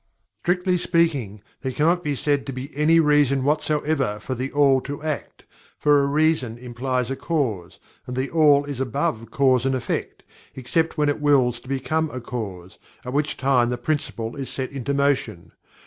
Strictly speaking, there cannot be said to be any "Reason" whatsoever for THE ALL to act, for a "reason" implies a "cause," and THE ALL is above Cause and Effect, except when it Wills to become a Cause, at which time the Principle is set into motion.